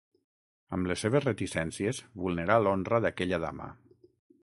Amb les seves reticències vulnerà l'honra d'aquella dama.